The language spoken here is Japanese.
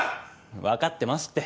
分かってますって。